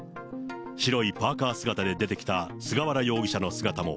白いパーカー姿で出てきた菅原容疑者の姿も。